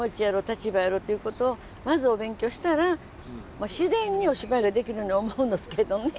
立場やろ？っていうことをまずお勉強したら自然にお芝居ができると思うんどすけどね。